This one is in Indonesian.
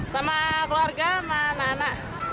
sama keluarga sama anak anak